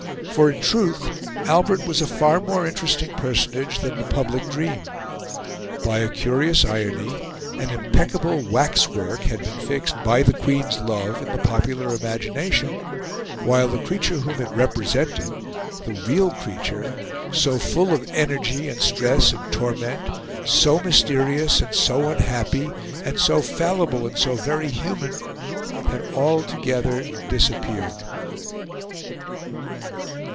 For in truth Albert was a far more interesting personage than the public dreamed. By a curious irony an impeccable waxwork had been fixed by the Queen's love in the popular imagination, while the creature whom it represented the real creature, so full of energy and stress and torment, so mysterious and so unhappy, and so fallible and so very human had altogether disappeared.